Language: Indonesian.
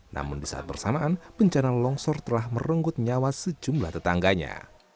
namun di saat bersamaan bencana longsor telah merenggut nyawa sejumlah tetangganya